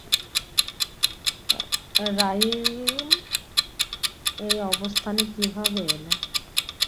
Rhyme এই অবস্থানে কীভাবে এলো?